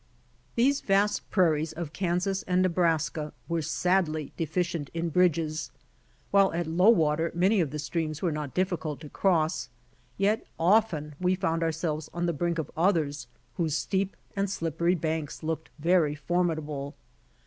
These vast prairies of Kansas and Nebraska were sadly deficient in bridges. While at low water many of the streams were not difficult to cross, yet ofter we found ourselves at the brink of others whose steep and slippery banks looked very formidable.